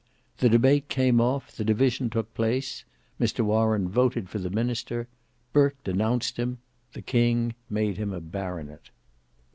The debate came off, the division took place. Mr Warren voted for the minister. Burke denounced him; the king made him a baronet.